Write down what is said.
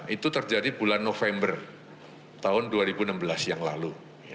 itu terjadi bulan november tahun dua ribu enam belas yang lalu